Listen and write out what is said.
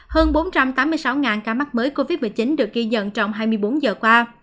hơn bốn trăm tám mươi sáu ca mắc mới covid một mươi chín được ghi nhận trong hai mươi bốn giờ qua